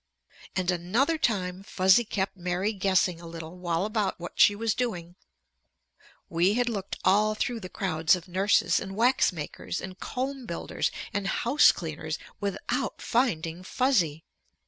And another time Fuzzy kept Mary guessing a little while about what she was doing. We had looked all through the crowds of nurses and wax makers and comb builders and house cleaners without finding Fuzzy.